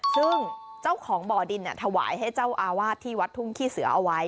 ซึ่งเจ้าของบ่อดินถวายให้เจ้าอาวาสที่วัดทุ่งขี้เสือเอาไว้